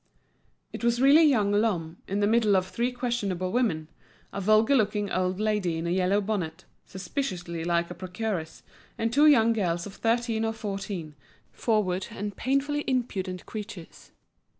It was really young Lhomme, in the middle of three questionable women, a vulgar looking old lady in a yellow bonnet, suspiciously like a procuress, and two young girls of thirteen or fourteen, forward and painfully impudent creatures.